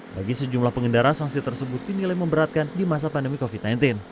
bagi sejumlah pengendara sanksi tersebut dinilai memberatkan di masa pandemi covid sembilan belas